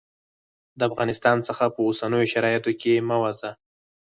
د افغانستان څخه په اوسنیو شرایطو کې مه ووزه.